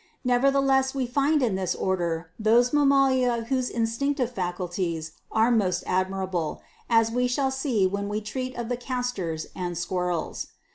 Nevertheless, we find in this order those mammalia whose instinctive faculties are most admirable, as we shall see when we treat of the castors, and squirrels.